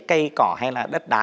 cây cỏ hay là đất đá